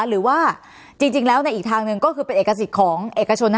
หรือว่าอีกทางนึงเป็นเอกสิทธิ์ของเอกชน